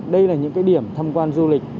đây là những điểm tham quan du lịch